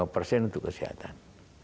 lima persen untuk kesehatan